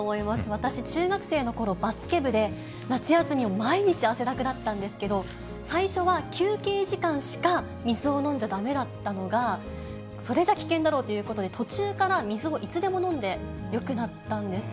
私、中学生のころ、バスケ部で、夏休み、毎日汗だくだったんですけど、最初は休憩時間しか水を飲んじゃだめだったのが、それじゃ危険だということで、途中から水をいつでも飲んでよくなったんです。